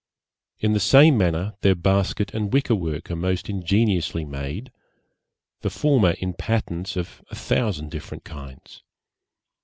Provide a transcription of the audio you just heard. In the same manner their basket and wicker work are most ingeniously made; the former in patterns of a thousand different kinds.